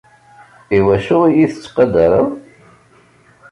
Iwacu i yi-tettqadareḍ?